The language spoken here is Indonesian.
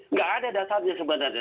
nggak ada dasarnya sebenarnya